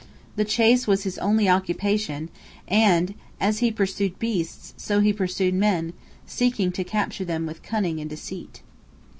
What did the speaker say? The chase was his only occupation, and as he pursued beasts, so he pursued men, seeking to capture them with cunning and deceit.